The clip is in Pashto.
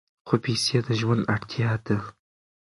خو پیسې د ژوند اړتیا ده.